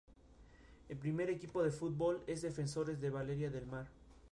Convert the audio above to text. El primer equipo de fútbol es Defensores de Valeria del Mar.